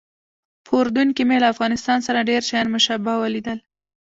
په اردن کې مې له افغانستان سره ډېر شیان مشابه ولیدل.